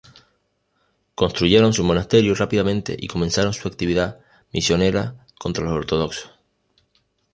Construyeron su monasterio rápidamente y comenzaron su actividad misionera contra los ortodoxos.